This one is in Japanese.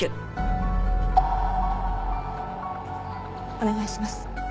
お願いします。